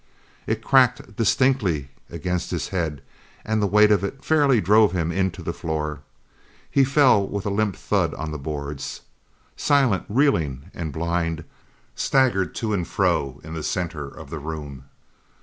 It cracked distinctly against his head and the weight of it fairly drove him into the floor. He fell with a limp thud on the boards. Silent, reeling and blind, staggered to and fro in the centre of the room.